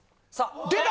出た！